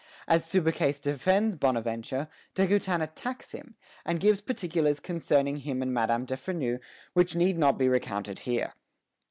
As Subercase defends Bonaventure, De Goutin attacks him, and gives particulars concerning him and Madame de Freneuse which need not be recounted here.